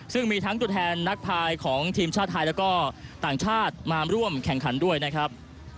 ซึ่งมีทั้งตัวแทนนักภายของทีมชาติไทยแล้วก็ต่างชาติมาร่วมแข่งขันด้วยนะครับ